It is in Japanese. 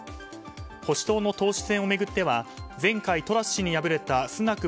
保守党の党首選を巡っては前回、トラス氏に敗れたスナク